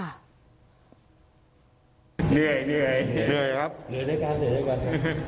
เหนื่อยเหนื่อยครับเหนื่อยด้วยกันเหนื่อยด้วยกันครับ